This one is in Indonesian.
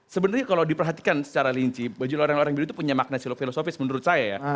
sebenarnya kalau diperhatikan secara linci baju loreng loreng biru itu punya makna filosofis menurut saya ya